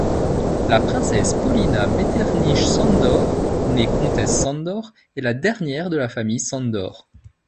La princesse Paulina Metternich-Sándor, née comtesse Sándor, est la dernière de la famille Sándor.